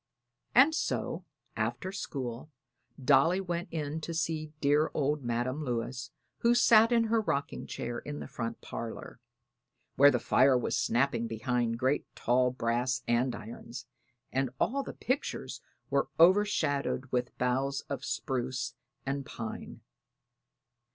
And so, after school, Dolly went in to see dear old Madam Lewis, who sat in her rocking chair in the front parlor, where the fire was snapping behind great tall brass andirons and all the pictures were overshadowed with boughs of spruce and pine.